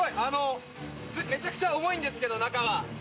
めちゃくちゃ重いんですけど中は。